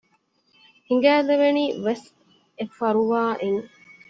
ހިނގައިލެވެނީ ވެސް އެފަރުވާ އިން